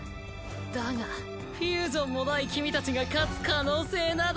だがフュージョンもない君たちが勝つ可能性など。